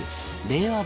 令和